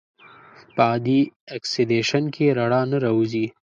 په عادي اکسیدیشن کې رڼا نه راوځي.